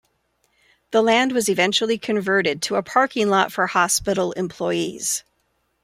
The land was eventually converted to a parking lot for hospital employees.